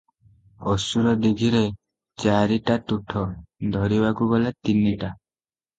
ଅସୁର ଦୀଘିରେ ଚାରିଟାତୁଠ, ଧରିବାକୁ ଗଲେ ତିନିଟା ।